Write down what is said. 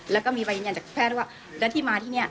แล้วก็มีใบยืนยันจากแพทย์ว่าแล้วที่มาที่นี่